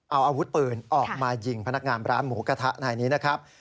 เอาอาวุธปืนออกมายิงพนักงานร้านหมูกระทะนายนี้นะครับ